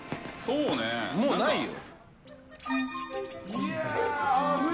もうないよ。